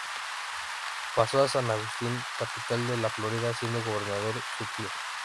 Pasó a San Agustín, capital de la Florida, siendo gobernador su tío.